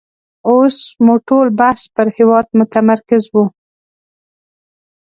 اوس مو ټول بحث پر هېواد متمرکز وو.